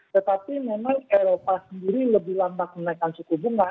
tetapi memang eropa sendiri lebih lambat menaikkan suku bunga